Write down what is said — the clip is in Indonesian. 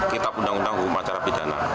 kitab undang undang hukum acara pidana